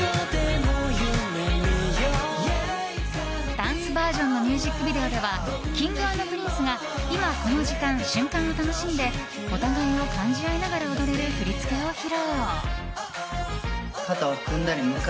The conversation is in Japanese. ダンスバージョンのミュージックビデオではＫｉｎｇ＆Ｐｒｉｎｃｅが今この時間、瞬間を楽しんでお互いを感じ合いながら踊れる振り付けを披露。